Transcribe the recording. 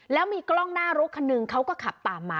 แล้วมีกล้องหน้ารถคันหนึ่งเขาก็ขับตามมา